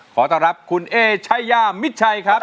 ขอต้อนรับคุณเอชายามิดชัยครับ